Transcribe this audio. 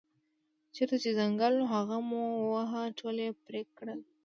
چېرته چې ځنګل و هغه مو وواهه ټول یې پرې کړل.